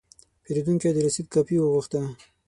پیرودونکی د رسید کاپي وغوښته.